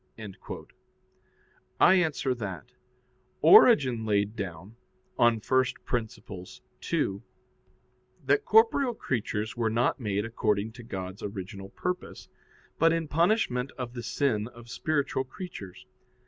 I answer that, Origen laid down [*Peri Archon ii.] that corporeal creatures were not made according to God's original purpose, but in punishment of the sin of spiritual creatures.